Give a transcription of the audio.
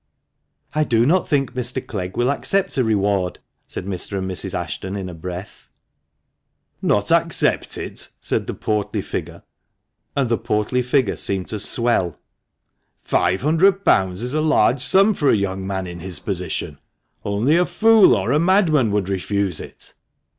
"I do not think Mr. Clegg will accept a reward," said Mr. and Mrs. Ashton in a breath. "Not accept it!" and the portly figure seemed to swell! "five hundred pounds is a large sum for a young man in his position; only a fool or a madman would refuse it."